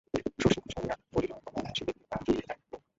শশী খুশি হইয়া বলিল, তোমার হাসি দেখলে প্রাণ জুড়িয়ে যায় বৌ।